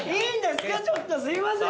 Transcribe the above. ちょっとすいません